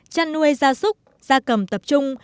chăn nuôi gia súc gia cầm tập trung